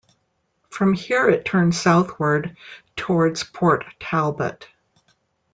From here it turns southward towards Port Talbot.